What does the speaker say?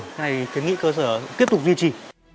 cái này thì kiến nghị cơ sở tiếp tục duy trì